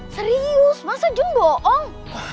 serius masa jun bohong